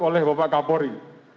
oleh bapak kapolri